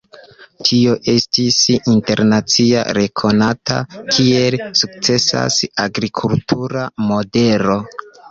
Tio estis internacia rekonata, kiel sukcesa agrikultura modelo.